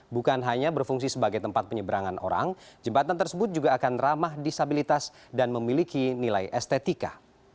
bukan hanya berfungsi sebagai tempat penyeberangan orang jembatan tersebut juga akan ramah disabilitas dan memiliki nilai estetika